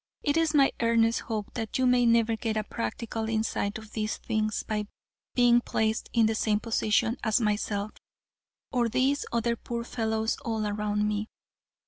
It is my earnest hope that you may never get a practical insight into these things by being placed in the same position as myself or these other poor fellows all around me.